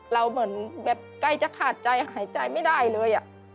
เหมือนแบบใกล้จะขาดใจหายใจไม่ได้เลย